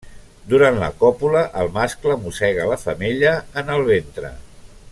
Durant la còpula el mascle mossega la femella en el ventre.